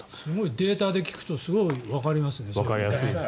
データで聞くとすごくわかりやすいですね。